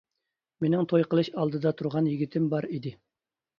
مېنىڭ توي قىلىش ئالدىدا تۇرغان يىگىتىم بار ئىدى!